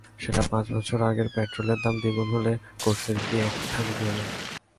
সেটা পাচ বছর আগের পেট্রোলের দাম দ্বিগূন হলে, কোর্সের ফি একই থাকে কীভাবে?